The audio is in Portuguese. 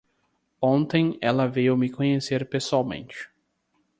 Ontem ela veio me conhecer pessoalmente.